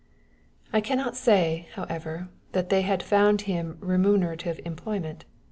I can not say, however, that they had found him remunerative employment.